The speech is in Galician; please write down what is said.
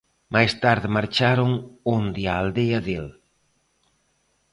Máis tarde marcharon onde a aldea del.